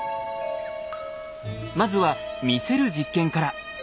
まずは見せる実験から。